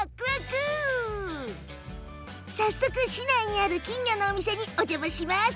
早速、市内にある金魚のお店におじゃまします！